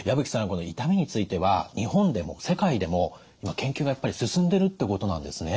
この痛みについては日本でも世界でも今研究がやっぱり進んでるってことなんですね？